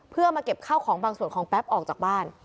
เพื่อมาเก็บข้าวของบางส่วนของแป๊บออกจากบ้าน